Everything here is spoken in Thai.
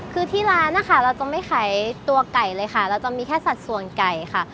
คือที่ร้านนะคะเราจะไม่ขายตัวไก่เลยค่ะเราจะมีแค่สัดส่วนไก่ค่ะ